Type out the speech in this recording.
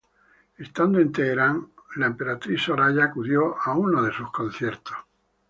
Estando en Teherán, la emperatriz Soraya acudió a uno de sus conciertos.